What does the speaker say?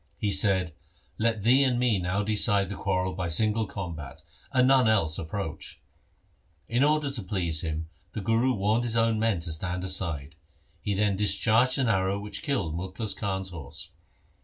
He said, ' Let thee and me now decide the quarrel by single combat, and none else approach.' In order to please him the Guru warned his own men to stand aside. He then discharged an arrow which killed Mukhlis Khan's horse.